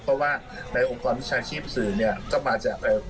เพราะว่าในองค์ความวิชาชีพสื่อเนี่ย